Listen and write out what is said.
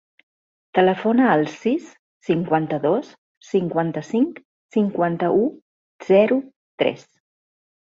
Telefona al sis, cinquanta-dos, cinquanta-cinc, cinquanta-u, zero, tres.